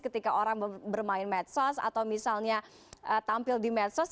ketika orang bermain medsos atau misalnya tampil di medsos